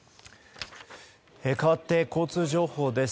かわって交通情報です。